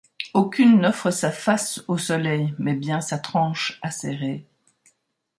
Aucune n’offre sa face au soleil, mais bien sa tranche acérée.